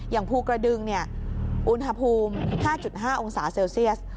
ภูกระดึงอุณหภูมิ๕๕องศาเซลเซียส